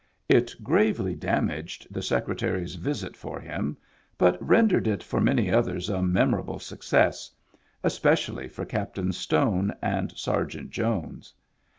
It gravely damaged the Secretary's visit for him, but rendered it for many others a memo rable success, especially for Captain Stone and Sergeant Jones.